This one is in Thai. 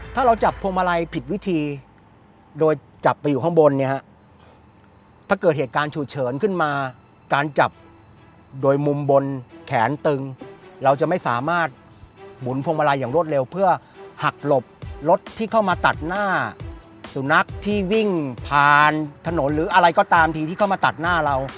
ถ้าเราจับพวงมาลัยผิดวิธีโดยจับไปอยู่ข้างบนเนี่ยฮะถ้าเกิดเหตุการณ์ฉุกเฉินขึ้นมาการจับโดยมุมบนแขนตึงเราจะไม่สามารถหมุนพวงมาลัยอย่างรวดเร็วเพื่อหักหลบรถที่เข้ามาตัดหน้าสุนัขที่วิ่งผ่านถนนหรืออะไรก็ตามทีที่เข้ามาตัดหน้าเรา